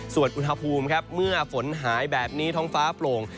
ส่วนอุณหภูมิครับเมื่อฝนหายแบบนี้ท้องฟ้าโปร่ง